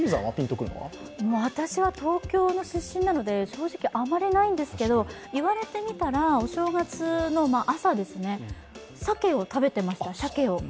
私は東京の出身なので正直あまりないんですけど言われてみたら、お正月の朝、さけを食べてました。